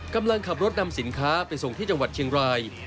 กำลังขับรถนำสินค้าไปส่งที่จังหวัดเชียงราย